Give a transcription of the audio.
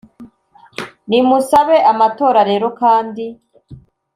nimusabe amatora rero kandi